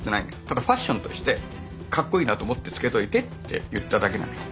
ただファッションとしてかっこいいなと思ってつけといてって言っただけなのよ。